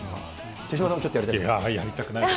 手嶋さんもちょっとやりたい？